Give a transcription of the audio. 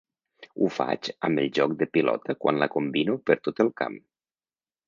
Ho faig amb el joc de pilota quan la combino per tot el camp.